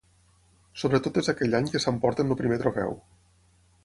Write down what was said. Sobretot és aquell any que s'emporten el primer trofeu.